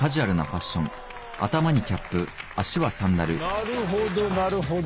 なるほどなるほど。